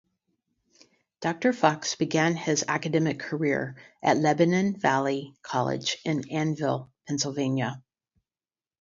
Doctor Fox began his academic career at Lebanon Valley College in Annville, Pennsylvania.